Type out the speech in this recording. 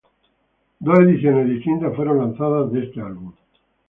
Dos ediciones distintas fueron lanzadas de este álbum.